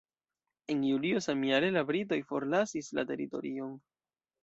En julio samjare, la britoj forlasis la teritorion.